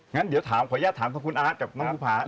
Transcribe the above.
งั้นเวลาถามขออนุญาตถามคุณอาทร์กับน้องภาพ